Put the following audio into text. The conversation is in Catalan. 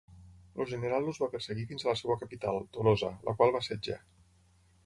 El general els va perseguir fins a la seva capital, Tolosa, la qual va assetjar.